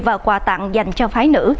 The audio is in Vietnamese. và quà tặng dành cho phái nữ